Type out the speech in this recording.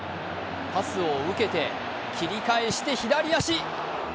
パスを受けて切り返して左足。